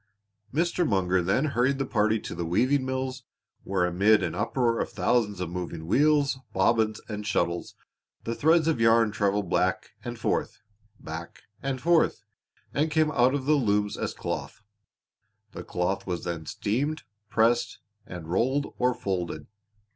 Mr. Munger then hurried the party to the weaving mills, where amid an uproar of thousands of moving wheels, bobbins, and shuttles the threads of yarn traveled back and forth, back and forth, and came out of the looms as cloth. The cloth was then steamed, pressed, and rolled or folded.